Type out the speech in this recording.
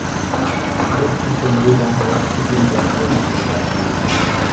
Westlich von Jägerhaus beginnt der Eibenstocker Granit.